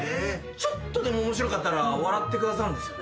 ちょっとでも面白かったら笑ってくださるんですよね？